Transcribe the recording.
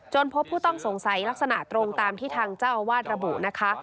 พบผู้ต้องสงสัยลักษณะตรงตามที่ทางเจ้าอาวาสระบุนะคะ